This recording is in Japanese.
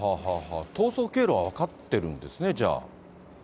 逃走経路は分かってるんですね、じゃあ。